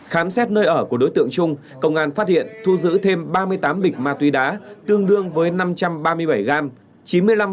khám xét nơi ở của đối tượng trung công an phát hiện thu giữ thêm ba mươi tám bịch ma túy đá tương đương với năm trăm ba mươi bảy gram